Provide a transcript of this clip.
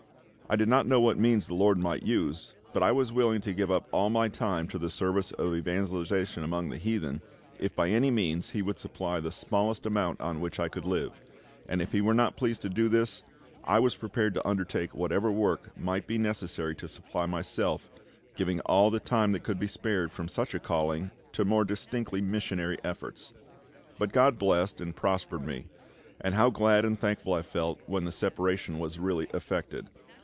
I did not know what means the LORD might use; but I was willing to give up all my time to the service of evangelisation among the heathen, if by any means He would supply the smallest amount on which I could live; and if He were not pleased to do this, I was prepared to undertake whatever work might be necessary to supply myself, giving all the time that could be spared from such a calling to more distinctly missionary efforts. But GOD blessed and prospered me; and how glad and thankful I felt when the separation was really effected!